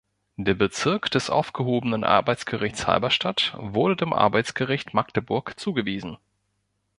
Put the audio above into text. Der Bezirk des aufgehobenen Arbeitsgerichts Halberstadt wurde dem Arbeitsgericht Magdeburg zugewiesen.